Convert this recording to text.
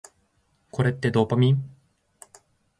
これってドーパミン？